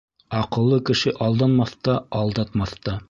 Аҡыллы кеше алданмаҫ та, алдатмаҫ та.